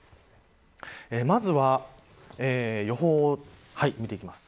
まずは予報を見ていきます。